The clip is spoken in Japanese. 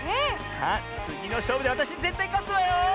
さあつぎのしょうぶであたしぜったいかつわよ！